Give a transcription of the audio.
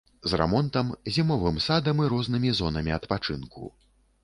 З рамонтам, зімовым садам і рознымі зонамі адпачынку.